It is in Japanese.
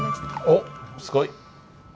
おっすごい。